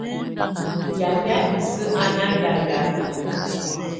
Yamɛ̀á isǝ́ á ná ndà hianà.